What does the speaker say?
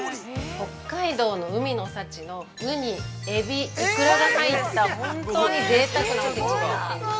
◆北海道の海の幸のウニ、エビ、イクラが入った本当にぜいたくなおせちになっています。